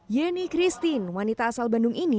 yeni christine wanita asal bandung ini